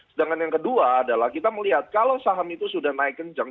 sedangkan yang kedua adalah kita melihat kalau saham itu sudah naik kencang